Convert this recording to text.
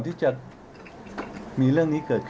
พร้อมแล้วเลยค่ะ